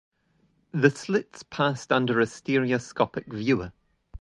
The slits passed under a stereoscopic viewer.